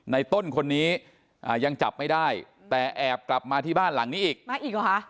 ในต้นคนนี้ยังจับไม่ได้แต่แอบกลับมาที่บ้านหลังนี้อีก